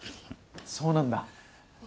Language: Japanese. そうなんだ。